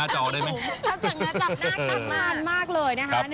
จากหน้าจอน่ากลับมากเลยนะครับ